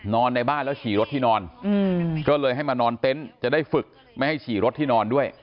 ในบ้านแล้วฉี่รถที่นอนก็เลยให้มานอนเต็นต์จะได้ฝึกไม่ให้ฉี่รถที่นอนด้วย